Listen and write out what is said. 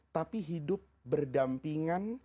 tapi hidup berdampingan